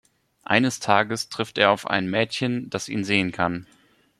Eines Tages trifft er auf ein Mädchen, das ihn sehen kann.